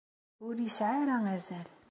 Ur isεi ara azal.